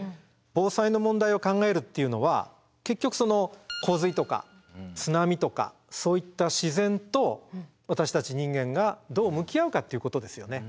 防災の問題を考えるっていうのは結局その洪水とか津波とかそういった自然と私たち人間がどう向き合うかということですよね。